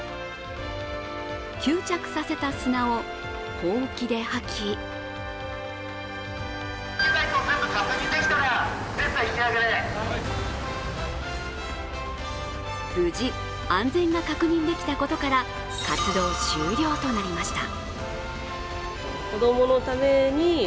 吸着させた砂をほうきではき無事、安全が確認できたことから活動終了となりました。